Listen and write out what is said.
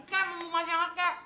ke mau makan sama kek